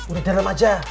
udah deram aja